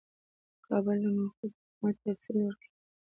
د کابل د موقتي حکومت تفصیل ورکوي.